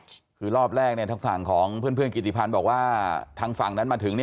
หรือว่าเป็นภูมิหรือไม่ใช่